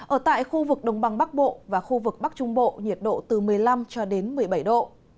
ở tại khu vực đồng bằng bắc bộ và khu vực bắc trung bộ nhiệt độ từ một mươi năm cho đến một mươi bảy độ